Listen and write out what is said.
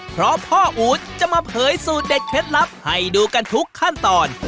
เพราะพ่ออู๋ดจะมาเผยสูตรเด็ดเคล็ดลับให้ดูกันทุกขั้นตอน